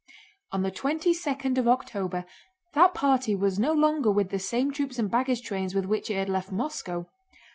On the twenty second of October that party was no longer with the same troops and baggage trains with which it had left Moscow.